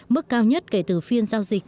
mức cao nhất kể từ phiên giao dịch